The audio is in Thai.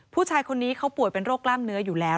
ผู้ชายคนนี้เขาป่วยเป็นโรคกล้ามเนื้ออยู่แล้ว